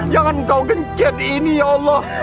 jangan kau gencet ini ya allah